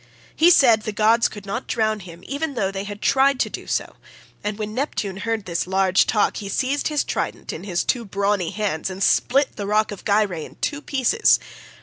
He said the gods could not drown him even though they had tried to do so, and when Neptune heard this large talk, he seized his trident in his two brawny hands, and split the rock of Gyrae in two pieces.